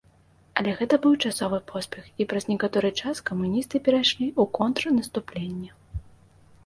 Але гэта быў часовы поспех і праз некаторы час камуністы перайшлі ў контрнаступленне.